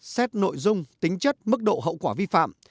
xét nội dung tính chất mức độ hậu quả vi phạm